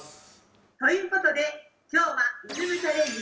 ということで今日はリズムチャレンジです。